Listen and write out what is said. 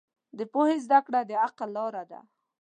د پوهې زده کړه د عقل لاره ده.